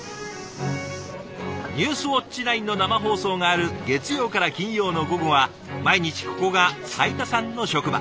「ニュースウオッチ９」の生放送がある月曜から金曜の午後は毎日ここが斉田さんの職場。